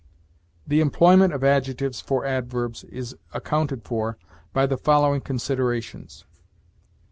"The employment of adjectives for adverbs is accounted for by the following considerations: "(1.)